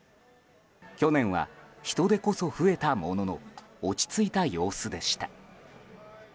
去年は、人出こそ増えたものの落ち着いた様子でした。